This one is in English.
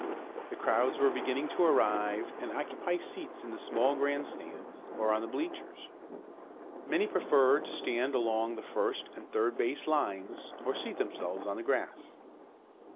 The crowds were beginning to arrive and occupy seats in the small grandstand or on the bleachers. Many preferred to stand along the first and third base lines, or seat themselves on the grass.